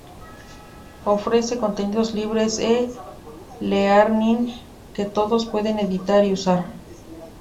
Ofrece contenidos libres e-learning que todos pueden editar y usar.